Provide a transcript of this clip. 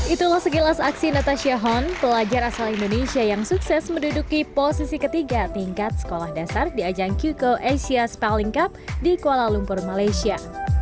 itulah sekilas aksi natasha hon pelajar asal indonesia yang sukses menduduki posisi ketiga tingkat sekolah dasar di ajang kyuko asia spelling cup di kuala lumpur malaysia